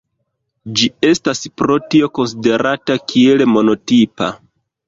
Ĝi estas pro tio konsiderata kiel monotipa.